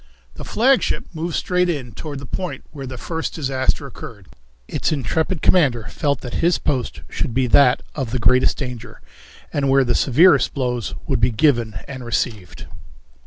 The flagship moved straight in toward the point where the first disaster occurred. Its intrepid commander felt that his post should be that of the greatest danger, and where the severest blows would be given and received.